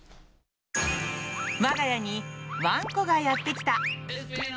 我が家にワンコがやってきた。